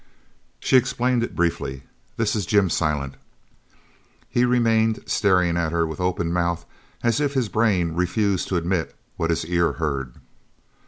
She explained it briefly: "This is Jim Silent!" He remained staring at her with open mouth as if his brain refused to admit what his ear heard.